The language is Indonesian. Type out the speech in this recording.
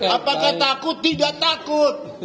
apakah takut tidak takut